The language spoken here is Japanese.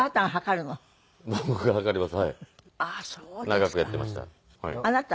長くやっていました。